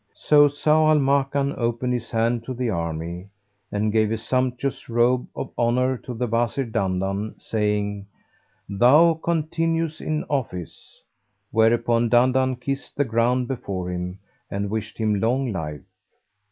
So Zau al Makan opened his hand to the army, and gave a sumptuous robe of honour to the Wazir Dandan, saying, "Thou continues" in office. Whereupon Dandan kissed the ground before him and wished him long life.